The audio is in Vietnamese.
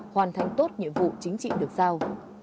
hoàn thành tốt nhiệm vụ chính trị được sao